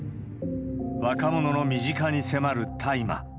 若者の身近に迫る大麻。